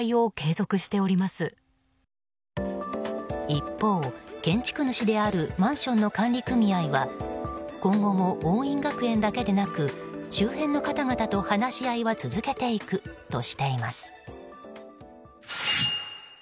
一方、建築主であるマンションの管理組合は今後も桜蔭学園だけでなく周辺の方々と話し合いは続けていくとしています。